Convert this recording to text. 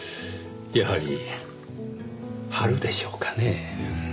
やはり春でしょうかねぇ。